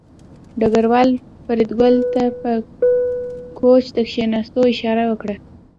ډګروال فریدګل ته په کوچ د کېناستو اشاره وکړه